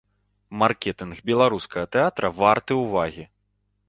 Маркетынг беларускага тэатра варты ўвагі.